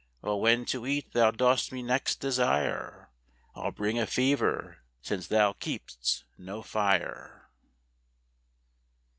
Well, when to eat thou dost me next desire, I'll bring a fever, since thou keep'st no fire.